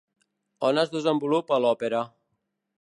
On es desenvolupa l'òpera?